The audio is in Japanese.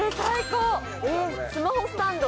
スマホスタンド